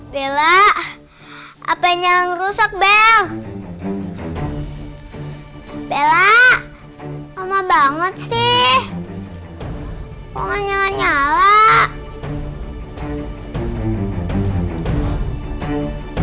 bella apa yang rusak bel bela lama banget sih pokoknya nyala